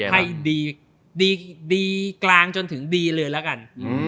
ให้ดีกลางจนถึงดีเลยแล้วกัน